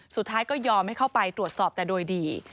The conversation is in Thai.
สุดท้ายก็ยอมให้เข้าไปตรวจสอบแต่โดยดี